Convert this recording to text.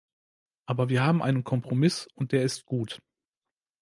Aber wir haben einen Kompromiss, und der ist gut.